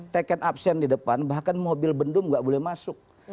teket absen di depan bahkan mobil bendung gak boleh masuk